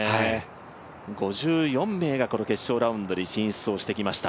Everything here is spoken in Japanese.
５４名がこの決勝ラウンドに進出してきました。